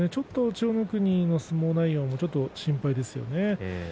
千代の国の相撲内容心配ですね。